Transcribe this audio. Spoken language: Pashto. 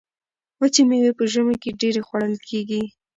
وچې میوې په ژمي کې ډیرې خوړل کیږي.